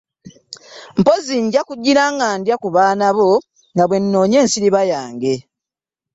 Mpozzi nja kugira nga ndya ku baana bo nga bw’onoonya ensiriba yange.